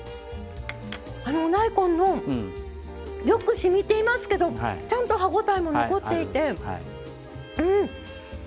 お大根のよくしみていますけどちゃんと歯応えも残っていてうんおいしい！